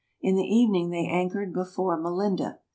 In the evening they anchored before Melinda.